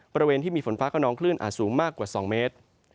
บริเวณที่มีฝนฟ้าขนองคลื่นอาจสูงมากกว่า๒เมตร